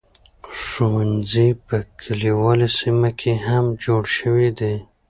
ښوونځي په کليوالي سیمو کې هم جوړ شوي دي.